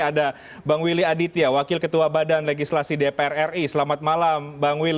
ada bang willy aditya wakil ketua badan legislasi dpr ri selamat malam bang will